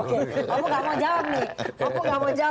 opung gak mau jawab nih